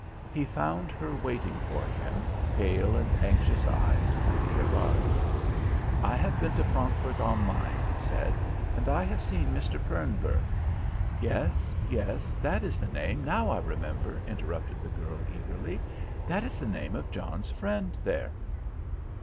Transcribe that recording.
He found her waiting for him, pale and anxious eyed, when he arrived. "I have been to Frankfurt am Main," he said, "and I have seen Mr. Pernburg " "Yes, yes, that is the name; now I remember," interrupted the girl eagerly. "That is the name of John's friend there."